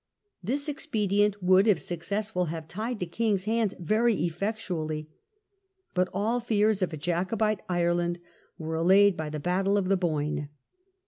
This expedient would, if successful, have tied the king^s hands very effect ually. But all fears of a Jacobite Ireland were allayed by the battle of the Boyne.